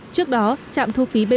trước đó trạm thu phí bot